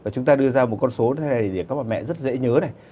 chúng ta đưa ra một con số như thế này để các bà mẹ rất dễ nhớ